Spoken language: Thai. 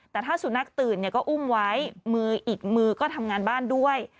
แต่ถ้าสุนัขตื่นก็อุ้มไว้มืออีกมือก็ทำงานบ้านด้วย